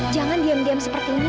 jangan diam diam seperti ini